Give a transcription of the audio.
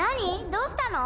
どうしたの？